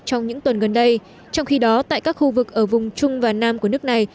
trong những tuần gần đây trong khi đó tại các khu vực ở vùng trung và nam của nước này